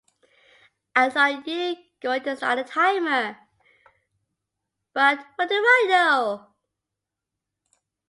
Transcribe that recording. I thought you were going to start the timer, but what do I know?